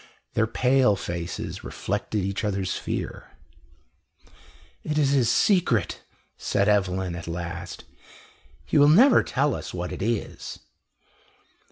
Their pale faces reflected each other's fear. "It is his secret," said Evelyn at last. "He will never tell us what it is."